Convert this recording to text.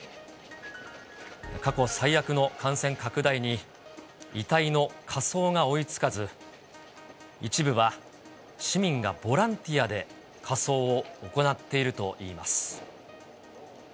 過去最悪の感染拡大に、遺体の火葬が追いつかず、一部は市民がボランティアで火葬を行っているといいます。